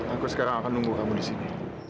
aku sekarang akan nunggu kamu di sini